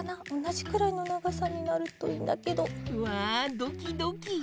おなじくらいのながさになるといいんだけど。わどきどき。